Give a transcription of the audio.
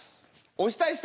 押したい人！